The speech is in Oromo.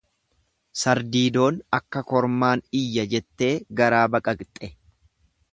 "Sardiidoon ""akka kormaan iyya"" jettee garaa baqaqxe."